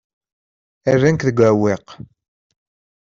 Rran-k deg uɛewwiq.